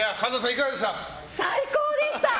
最高でした！